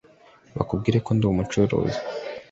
bakubwire ko ndi umucuruzi